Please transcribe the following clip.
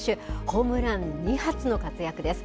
ホームラン２発の活躍です。